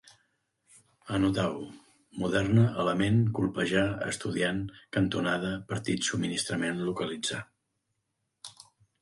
Anotau: moderna, element, colpejar, estudiant, cantonada, partit, subministrament, localitzar